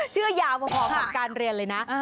เชื่อยาวพอกับการเรียนเลยนะ